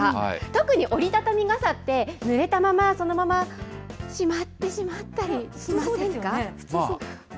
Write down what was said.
特に折り畳み傘って、ぬれたまま、そのまましまってしまったりしま普通、そうですよね。